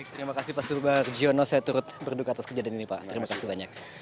baik terima kasih pak surubar giono saya turut berdua atas kejadian ini pak terima kasih banyak